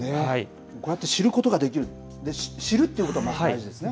こうやって知ることができる、知るっていうことが大事ですね。